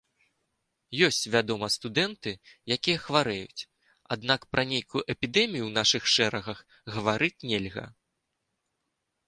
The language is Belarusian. Ёсць, вядома, студэнты, якія хварэюць, аднак пра нейкую эпідэмію ў нашых шэрагах гаварыць нельга.